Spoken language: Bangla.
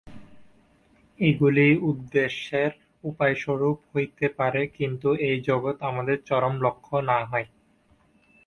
এগুলি উদ্দেশ্যের উপায়স্বরূপ হইতে পারে, কিন্তু এই জগৎ আমাদের চরম লক্ষ্য না হয়।